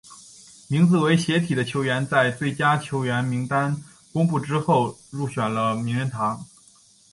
名字为斜体的球员在最佳球队名单公布之后入选了名人堂。